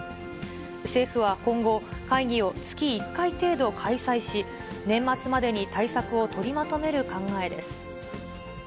政府は今後、会議を月１回程度開催し、年末までに対策を取りまとめる考えです。